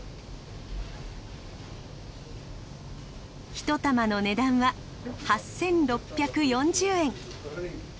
１玉の値段は８６４０円。